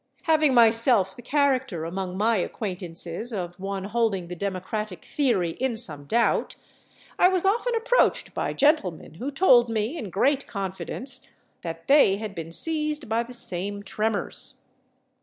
Having myself the character among my acquaintances of one holding the democratic theory in some doubt, I was often approached by gentlemen who told me, in great confidence, that they had been seized by the same tremors.